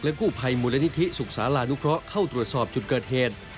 กู้ภัยมูลนิธิสุขศาลานุเคราะห์เข้าตรวจสอบจุดเกิดเหตุ